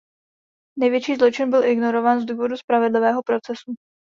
Největší zločin byl ignorován z důvodu spravedlivého procesu.